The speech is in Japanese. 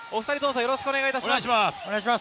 よろしくお願いします。